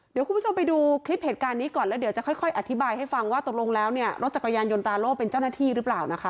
เดี๋ยวคุณผู้ชมไปดูคลิปเหตุการณ์นี้ก่อนแล้วเดี๋ยวจะค่อยอธิบายให้ฟังว่าตกลงแล้วเนี่ยรถจักรยานยนตาโล่เป็นเจ้าหน้าที่หรือเปล่านะคะ